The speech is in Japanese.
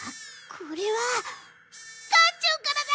これは館長からだ！